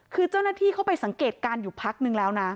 คือเจ้าหน้าที่เข้าไปสังเกตการณ์อยู่พักนึงแล้วนะ